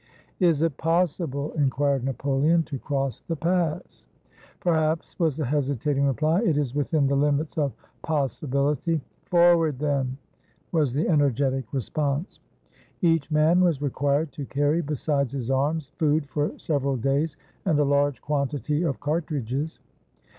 "Is it possible" inquired Napoleon, "to cross the pass?" "Perhaps," was the hesitating reply; "it is within the limits of possibility." "Forward, then," was the energetic response. Each man was required to carry, besides his arms, food for several days and a large quantity of cartridges.